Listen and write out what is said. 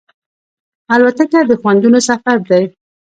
الوتکه د خوندونو سفر دی.